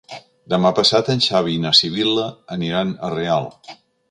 Demà passat en Xavi i na Sibil·la aniran a Real.